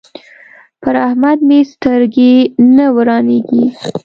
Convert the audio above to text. پر احمد مې سترګې نه روڼېږي.